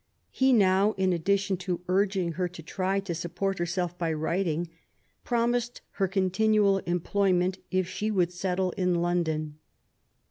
He now, in addition to urging her to try to support herself by writing, promised her continual employment if she would settle in London.